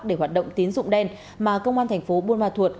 để hoạt động tín dụng đen mà công an thành phố buôn ma thuột